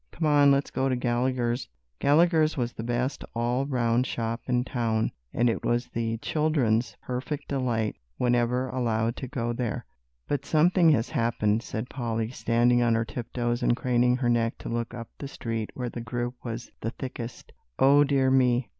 Come on, let's go to Gallagher's." "Gallagher's" was the best all round shop in town, and it was the children's perfect delight whenever allowed to go there. "But something has happened," said Polly, standing on her tiptoes, and craning her neck to look up the street where the group was the thickest. "O dear me!